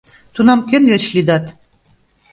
Тунам кӧн верч лӱдат?